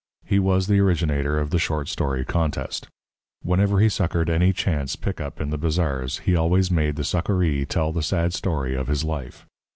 He was the originator of the short story contest. Whenever he succoured any chance pick up in the bazaars he always made the succouree tell the sad story of his life.